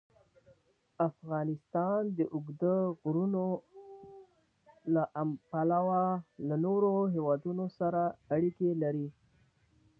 افغانستان د اوږده غرونه له پلوه له نورو هېوادونو سره اړیکې لري.